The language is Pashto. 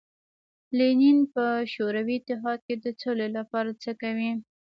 لینین په شوروي اتحاد کې د سولې لپاره څه کوي.